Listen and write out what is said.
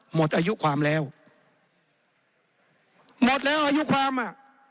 หมดอายุความแล้วหมดแล้วอายุความอ่ะ